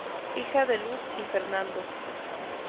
Hija de Luz y Fernando.